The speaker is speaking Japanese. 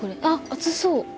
あ熱そう。